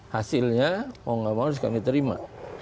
hasilnya mau gak mau harus kami terima